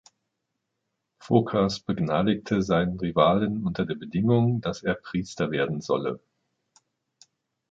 Phokas begnadigte seinen Rivalen unter der Bedingung, dass er Priester werden solle.